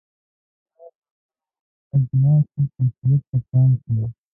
دوکاندار د خپلو اجناسو کیفیت ته پام کوي.